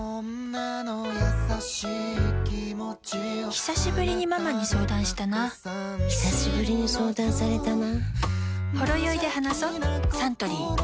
ひさしぶりにママに相談したなひさしぶりに相談されたな